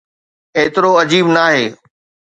ايترو عجيب ناهي.